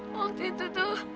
waktu itu tuh